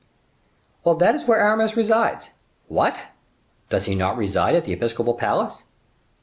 "Well, that is where Aramis resides." "What! does he not reside at the episcopal palace?"